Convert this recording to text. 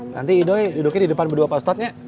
nanti idoi duduknya di depan berdua pak ustadznya